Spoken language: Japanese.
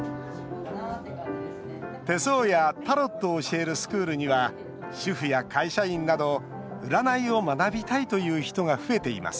手相やタロットを教えるスクールには、主婦や会社員など占いを学びたいという人が増えています